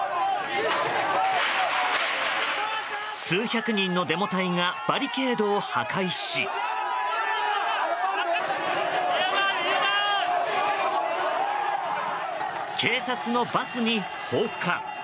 数百人のデモ隊がバリケードを破壊し警察のバスに放火。